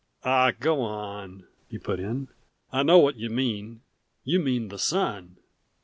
"Aw go wan!" he put in. "I know what you mean you mean the sun."